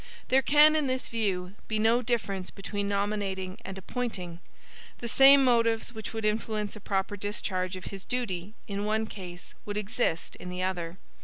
There can, in this view, be no difference between nominating and appointing. The same motives which would influence a proper discharge of his duty in one case, would exist in the other.